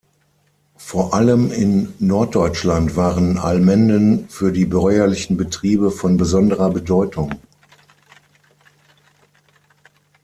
Vor allem in Norddeutschland waren Allmenden für die bäuerlichen Betriebe von besonderer Bedeutung.